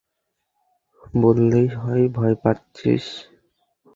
বললেই হয় ভয় পাচ্ছিস!